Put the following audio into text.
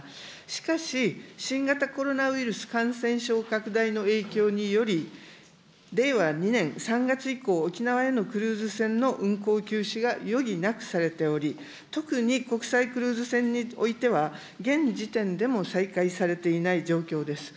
しかし、新型コロナウイルス感染症拡大の影響により、令和２年３月以降、沖縄へのクルーズ船の運航休止が余儀なくされており、特に国際クルーズ船においては現時点でも再開されていない状況です。